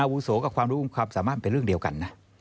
วุโสกับความรู้ความสามารถเป็นเรื่องเดียวกันนะ